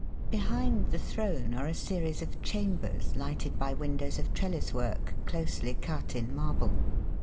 Behind the throne are a series of chambers lighted by windows of trelHs work closely cut in marble.